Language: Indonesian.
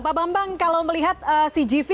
pak bambang kalau melihat cgv